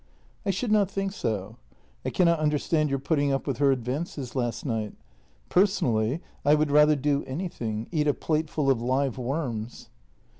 " I should not think so. I cannot understand your putting up with her advances last night. Personally, I would rather do anything — eat a plateful of live worms."